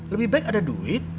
lebih baik ada duit